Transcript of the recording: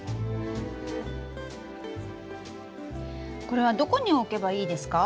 これはどこに置けばいいですか？